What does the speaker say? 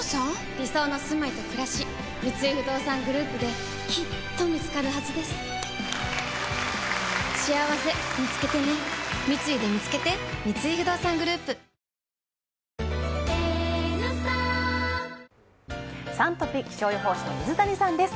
理想のすまいとくらし三井不動産グループできっと見つかるはずですしあわせみつけてね三井でみつけて「Ｓｕｎトピ」、気象予報士の水谷さんです。